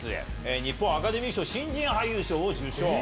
日本アカデミー賞新人俳優賞を受賞。